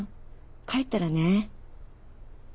帰ったらね。